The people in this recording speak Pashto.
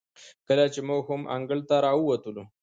کله چې موږ هم انګړ ته راووتلو،